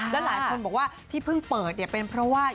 และหลายคนบอกว่าที่พึ่งเปิดเป็นเพราะว่า